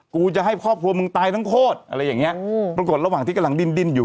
กูจะให้ครอบครัวมึงตายทั้งโคตรอะไรอย่างเงี้อืมปรากฏระหว่างที่กำลังดินดินอยู่